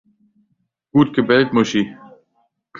Gut gebellt Muschi.